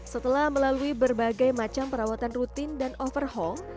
setelah melalui berbagai macam perawatan rutin dan overhault